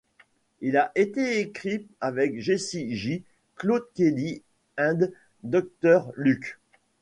Il a été écrit avec Jessie J, Claude Kelly and Dr Luke.